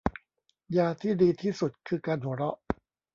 ยาที่ดีที่สุดคือการหัวเราะ